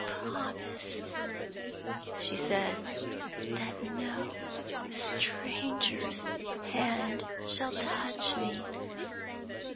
"'Promise,' she said, 'that no stranger's hand shall touch me.